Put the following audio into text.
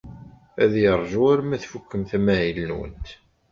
Ad yeṛju arma tfukemt amahil-nwent.